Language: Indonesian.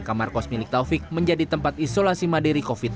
kamar kos milik taufik menjadi tempat isolasi mandiri covid sembilan belas